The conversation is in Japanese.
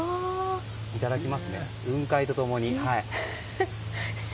いただきます、雲海と共に。